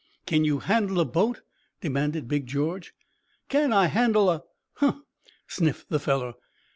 "Can you handle a boat?" demanded Big George. "Can I handle a Hunh!" sniffed the fellow.